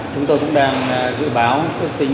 chúng tôi cũng đang dự báo ước tính